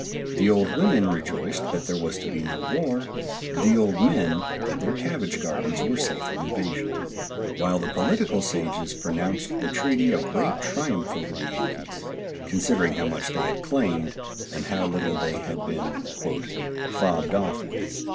The old women rejoiced that there was to be no war, the old men that their cabbage gardens were safe from invasion; while the political sages pronounced the treaty a great triumph over the Yankees, considering how much they had claimed, and how little they had been "fobbed off with."